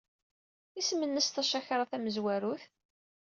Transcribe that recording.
Isem-nnes tcakṛa tamezwarut?